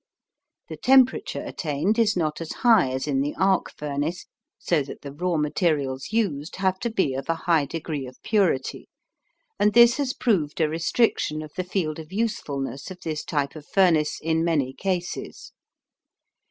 The temperature attained is not as high as in the arc furnace, so that the raw materials used have to be of a high degree of purity, and this has proved a restriction of the field of usefulness of this type of furnace in many cases.